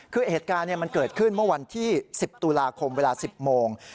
คือเหตุการณ์มันเกิดขึ้นเมื่อวันที่๑๐ตุลาคมเวลา๑๐โมง